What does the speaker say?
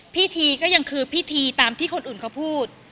พิธีก็ยังคือพิธีตามที่คนอื่นเขาพูด